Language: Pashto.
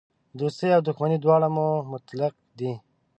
دوستي او دښمني دواړه مو مطلق دي.